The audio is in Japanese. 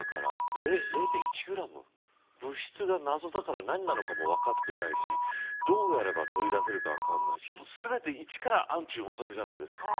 物質が謎だから何なのかも分かってないしどうやれば取り出せるか分かんないし全て一から暗中模索じゃないですか。